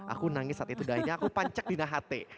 aku nangis saat itu akhirnya aku pancak di nahate